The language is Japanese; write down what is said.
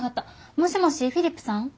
もしもしフィリップさん？